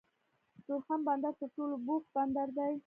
د تورخم بندر تر ټولو بوخت بندر دی